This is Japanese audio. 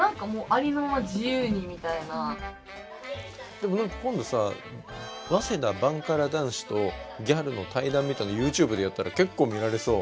でも何か今度さ早稲田バンカラ男子とギャルの対談みたいなのＹｏｕＴｕｂｅでやったら結構見られそう。